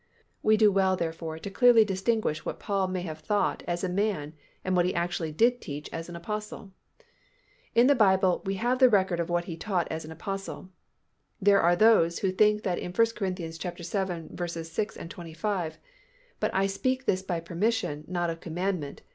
We do well therefore to carefully distinguish what Paul may have thought as a man and what he actually did teach as an Apostle. In the Bible we have the record of what he taught as an Apostle. There are those who think that in 1 Cor. vii. 6, 25, "But I speak this by permission, not of commandment